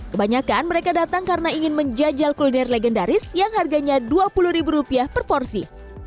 kebanyakan mereka datang karena ingin menjajal kuliner legendaris yang harganya dua puluh ribu rupiah per porsi